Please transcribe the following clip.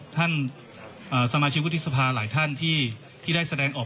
ทางคุณชัยธวัดก็บอกว่าการยื่นเรื่องแก้ไขมาตรวจสองเจน